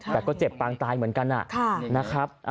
แต่ก็เจ็บปางตายเหมือนกันนะครับ